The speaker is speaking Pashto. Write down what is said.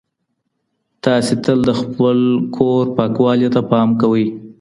تاسي تل د خپل کور پاکوالي ته پام کوئ.